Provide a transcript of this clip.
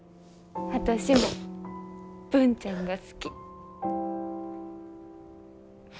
私も文ちゃんが好き。